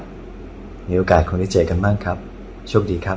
แล้ววันนี้ผมมีสิ่งหนึ่งนะครับเป็นตัวแทนกำลังใจจากผมเล็กน้อยครับ